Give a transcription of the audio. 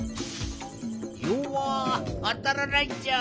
よわっあたらないっちゃ。